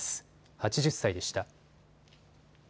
８０歳でした。